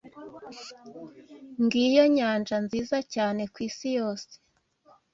Ngiyo nyanja nziza cyane kwisi yose.